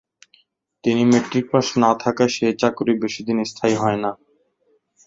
কিন্তু matric pass না থাকায় সে চাকুরী বেশিদিন স্থায়ী হয়নি।